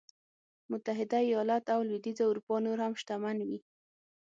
متحده ایالت او لوېدیځه اروپا نور هم شتمن وي.